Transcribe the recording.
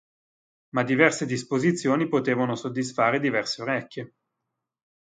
Ma diverse disposizioni potevano soddisfare diverse orecchie.